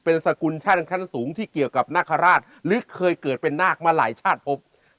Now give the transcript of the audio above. เป็นสกุลชาติขั้นสูงที่เกี่ยวกับนาคาราชหรือเคยเกิดเป็นนาคมาหลายชาติพบ